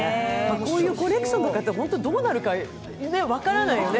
こういうコレクションとかってどうなるか分からないよね。